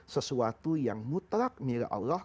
sesuatu yang mutlak milik allah